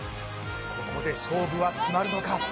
ここで勝負は決まるのか？